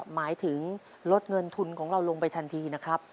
หมายถึงลดเงินทุนของเราลงไปทันทีนะครับ